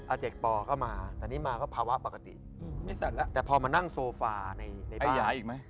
อาเจกปอก็มาแต่นี่มาก็ภาวะปกติแต่พอมานั่งโซฟาในบ้าน